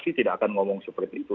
pasti tidak akan ngomong seperti itu